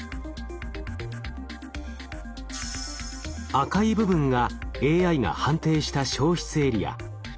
赤い部分がＡＩが判定した焼失エリア。